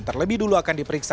terlebih dulu akan diperincikan